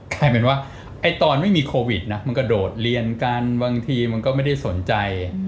กลายเป็นว่าไอ้ตอนไม่มีโควิดนะมันกระโดดเรียนกันบางทีมันก็ไม่ได้สนใจ